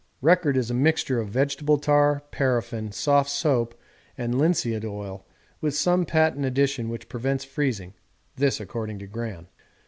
Record is a mixture of vegetable tar, paraffin, soft soap, and linseed oil, with some patent addition which prevents freezing this according to Gran.